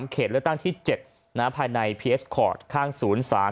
เขตเลือกตั้งที่๗ภายในเพียสคอร์ดข้างศูนย์สาร